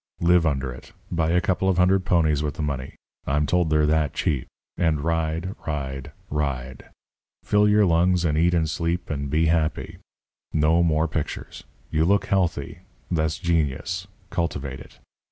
Live under it. Buy a couple of hundred ponies with the money I'm told they're that cheap and ride, ride, ride. Fill your lungs and eat and sleep and be happy. No more pictures. You look healthy. That's genius. Cultivate it."